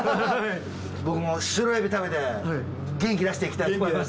僕もシロエビ食べて元気出していきたいと思います。